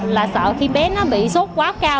là sợ khi bé nó bị sốt quá cao